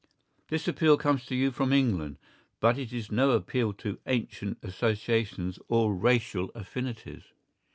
This appeal comes to you from England, but it is no appeal to ancient associations or racial affinities.